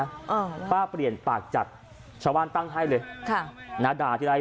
อ่าป้าเปลี่ยนปากจัดชาวบ้านตั้งให้เลยค่ะนะด่าทีไร